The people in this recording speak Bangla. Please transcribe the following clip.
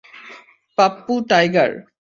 পাপ্পু, টাইগার।